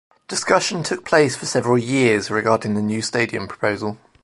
Discussion took place for several years regarding the new stadium proposal.